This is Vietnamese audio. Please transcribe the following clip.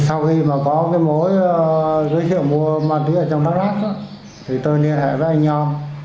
sau khi có mối giới thiệu mua ma túy ở trong đắk lắk tôi liên hệ với anh nhon